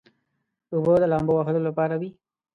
اوبه د لامبو وهلو لپاره وي.